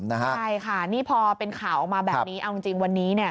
ใช่ค่ะนี่พอเป็นข่าวออกมาแบบนี้เอาจริงวันนี้